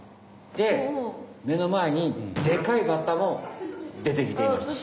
で目のまえにでかいバッタも出てきていました。